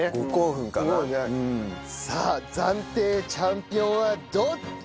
さあ暫定チャンピオンはどっち？